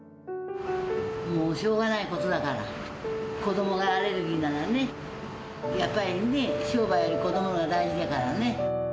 もうしょうがないことだから、子どもがアレルギーならね、やっぱりね、商売より子どものほうが大事だからね。